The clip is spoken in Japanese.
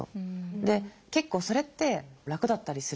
で結構それって楽だったりする。